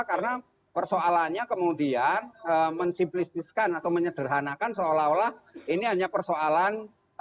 karena persoalannya kemudian mensimplistiskan atau menyederhanakan seolah olah ini hanya persoalan